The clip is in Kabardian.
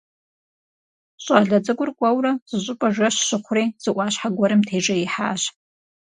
ЩӀалэ цӀыкӀур кӀуэурэ, зыщӀыпӀэ жэщ щыхъури, зы Ӏуащхьэ гуэрым тежеихьащ.